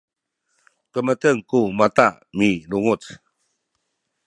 kemeten ku mata milunguc